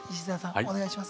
お願いします。